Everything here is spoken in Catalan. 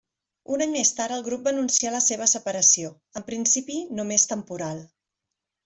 Un any més tard, el grup va anunciar la seva separació, en principi només temporal.